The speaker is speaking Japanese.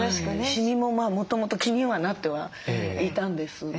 シミももともと気にはなってはいたんです。